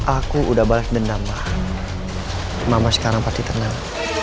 aku udah balas dendam mah mama sekarang pasti tenang